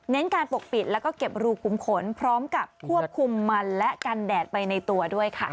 การปกปิดแล้วก็เก็บรูกลุ่มขนพร้อมกับควบคุมมันและกันแดดไปในตัวด้วยค่ะ